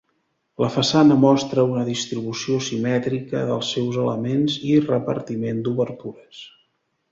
La façana mostra una distribució simètrica dels seus elements i repartiment d'obertures.